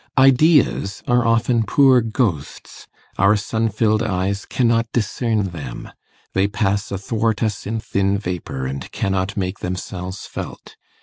Ideas are often poor ghosts; our sun filled eyes cannot discern them; they pass athwart us in thin vapour, and cannot make themselves felt.